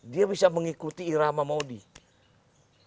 dia bisa mengikuti irama maudie